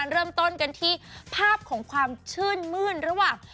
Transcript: เริ่มต้นกันที่ภาพของความชื่นมื้นระหว่าง